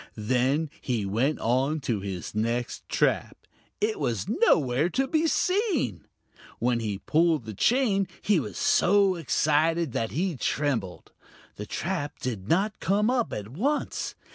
Then he went on to his next trap; it was nowhere to be seen. When he pulled the chain he was so excited that he trembled. The trap did not come up at once.